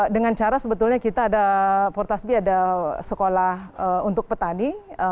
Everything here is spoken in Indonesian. dengan cara sebetulnya kita ada portasbi ada sekolah untuk petani